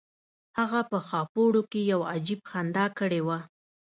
هغه په خاپوړو کې یو عجیب خندا کړې وه